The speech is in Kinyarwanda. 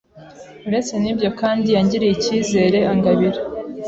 uretse n’ibyo kandi yangiriye icyizere angabira